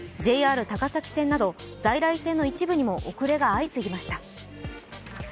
ＪＲ高崎線など在来線の一部にも遅れが相次ぎました。